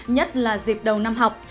nhất là dịp đầu năm học